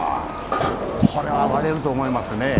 これは割れると思いますね。